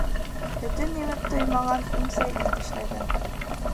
Һөтөн имеп туймаған имсәген тешләгән.